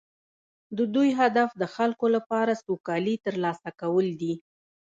د دوی هدف د خلکو لپاره سوکالي ترلاسه کول دي